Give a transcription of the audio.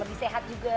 lebih sehat juga